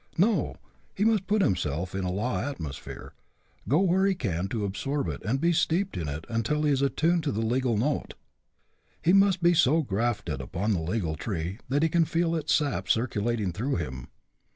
No, he must put himself in a law atmosphere; go where he can absorb it and be steeped in it until he is attuned to the legal note. He must be so grafted upon the legal tree that he can feel its sap circulating through him.